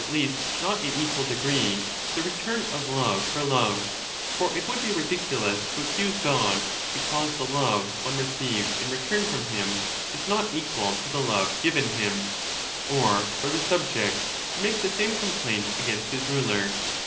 least not in equal degree, the return of love for lovZ[ For It would be ridiculous to accuse God because the love one receives in return from him is not equal to the love given him, or for the subject ^ to make the same complaint against his ruler.